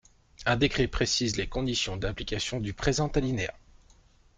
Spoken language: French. Un décret précise les conditions d’application du présent alinéa.